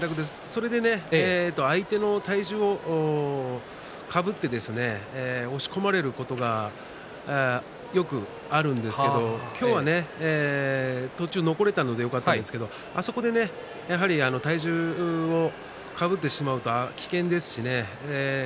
それで相手の体重をかぶって押し込まれるところがよくあるんですけれど今日は途中残れたのでよかったですけどあそこで、やはり体重をかぶってしまうと危険ですしね。